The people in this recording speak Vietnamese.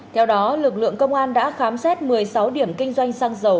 theo đó lực lượng công an đã khám xét một mươi sáu điểm kinh doanh xăng dầu